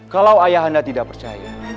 kalau ayah anda tidak percaya